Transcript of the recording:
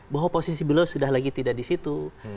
bahwa posisi beliau sudah lagi tidak di situ